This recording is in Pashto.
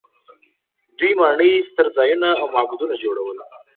دوی ماڼۍ، ستر ځایونه او معبدونه جوړول.